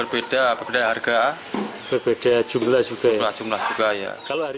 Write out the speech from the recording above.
berbeda harga berbeda jumlah juga